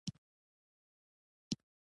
ټولنه د سیاسي بې ثباتۍ لور ته ور ټېل وهي.